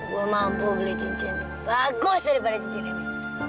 gue mampu beli cincin lebih bagus dari cincin ini